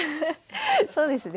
そうですね。